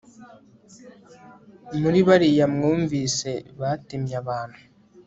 muri bariya mwumvise batemye abantu